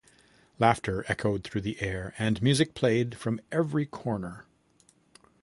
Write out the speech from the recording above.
Laughter echoed through the air, and music played from every corner.